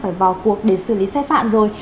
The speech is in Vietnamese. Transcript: phải vào cuộc để xử lý xe phạm rồi